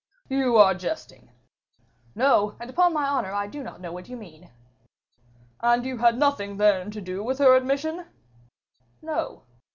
"You are jesting." "No; and upon my honor I do not know what you mean." "And you had nothing, then, to do with her admission?" "No."